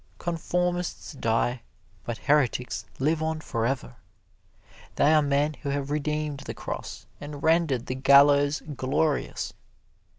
Conformists die, but heretics live on forever. They are men who have redeemed the cross and rendered the gallows glorious.